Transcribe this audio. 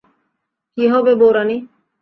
কী হবে বউরানী?